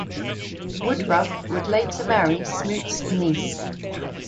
Woodruff would later marry Smoot's niece.